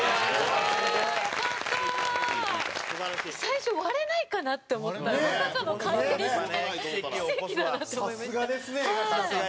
最初、割れないかなって思ったらまさかの回転して奇跡だなって思いました。